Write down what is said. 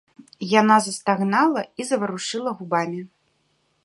Яна застагнала і заварушыла губамі.